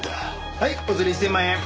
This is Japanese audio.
はいおつり１０００万円。